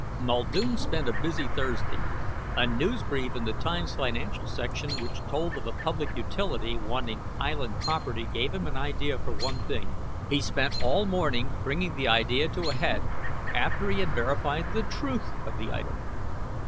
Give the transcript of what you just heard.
Muldoon spent a busy Thursday. A newsbrief in the Times financial section which told of a public utility wanting Island property gave him an idea for one thing. He spent all morning bringing the idea to a head, after he had verified the truth of the item.